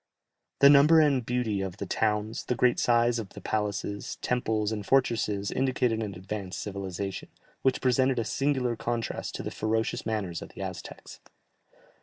The number and beauty of the towns, the great size of the palaces, temples, and fortresses indicated an advanced civilization, which presented a singular contrast to the ferocious manners of the Aztecs.